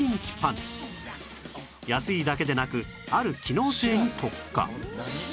安いだけでなくある機能性に特化